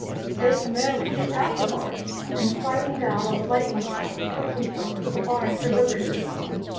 They summarily kicked out the bars, and, sliding down on the lightning rod, betook themselves to the barn for liberty.